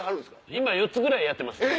今４つぐらいやってます。